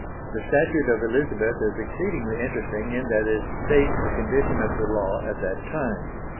The Statute of Elizabeth is exceedingly interesting in that it states the condition of the law at that time.